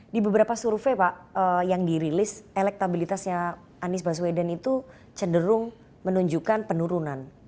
di beberapa survei pak yang dirilis elektabilitasnya anies baswedan itu cenderung menunjukkan penurunan